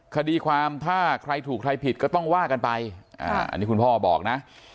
คดีความถ้าใครถูกใครผิดก็ต้องว่ากันไปอันนี้คุณพ่อบอกนะ